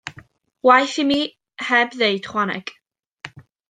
Waeth i mi heb ddeud chwaneg.